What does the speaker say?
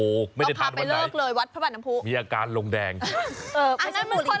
เราพาไปเลิกเลยวัดพระบาทนำภูมิมีอาการลงแดงเอออันนั้นมันคนละอย่าง